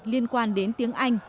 liên quan đến tiếng anh